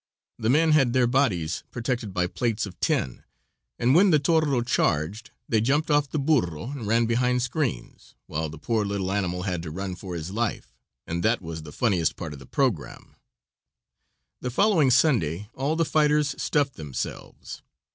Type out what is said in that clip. The men had their bodies protected by plates of tin, and when the toro charged they jumped off the burro and ran behind screens, while the poor little animal had to run for his life, and that was the funniest part of the programme. The following Sunday all the fighters stuffed themselves.